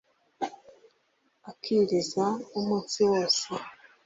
akiriza umunsi wose